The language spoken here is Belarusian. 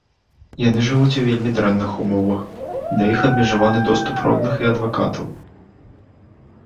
Яны жывуць у вельмі дрэнных умовах, да іх абмежаваны доступ родных і адвакатаў.